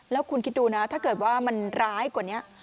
แล้วคุณคิดดูนะถ้าเกิดว่ามันร้ายกว่านี้